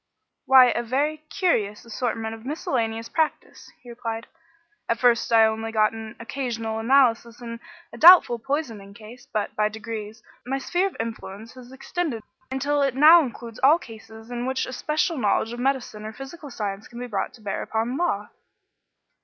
"Why, a very curious assortment of miscellaneous practice," he replied. "At first I only got an occasional analysis in a doubtful poisoning case, but, by degrees, my sphere of influence has extended until it now includes all cases in which a special knowledge of medicine or physical science can be brought to bear upon law."